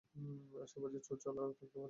আশেপাশে চোর- চালা থাকতে পারে।